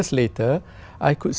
ngay với sở hữu